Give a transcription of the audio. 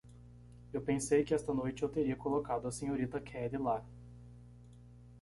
Eu pensei que esta noite eu teria colocado a Srta. Kelly lá.